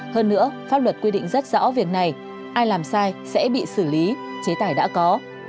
hơn nữa pháp luật quy định rất rõ việc này ai làm sai sẽ bị xử lý chế tài đã có